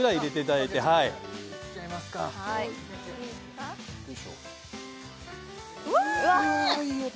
いい音！